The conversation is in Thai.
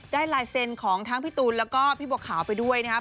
ลายเซ็นต์ของทั้งพี่ตูนแล้วก็พี่บัวขาวไปด้วยนะครับ